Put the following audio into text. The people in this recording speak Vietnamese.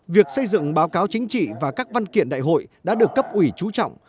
việc xây dựng báo cáo chính trị và các văn kiện đại hội đã được cấp ủy trú trọng